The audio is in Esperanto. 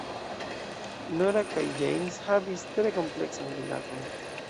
Nora kaj James havis tre kompleksan rilaton.